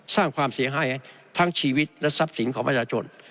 สร้างความเสียหายให้ทั้งชีวิตและทรัพย์สินของประชาชน